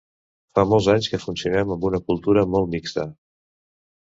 Fa molts anys que funcionem amb una cultura molt mixta.